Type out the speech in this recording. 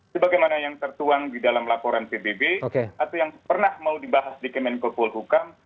sebagaimana yang tertuang di dalam laporan pbb atau yang pernah mau dibahas di kemenkopol hukam